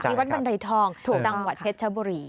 วัดบันไดทองจังหวัดเพชรชบุรี